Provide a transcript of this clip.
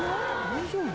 大丈夫？